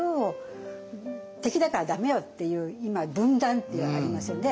「敵だから駄目よ」っていう今分断ってありますよね。